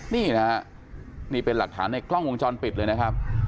นี่นะฮะนี่เป็นหลักฐานในกล้องวงจรปิดเลยนะครับ